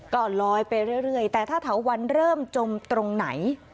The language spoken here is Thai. ก็ลอยไปเรื่อยแต่ถ้าเถาวันเริ่มจมตรงไหน